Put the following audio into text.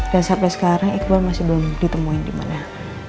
dan sampai sekarang iqbal masih belum ditemuin dimana